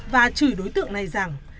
và chửi đối tượng này rằng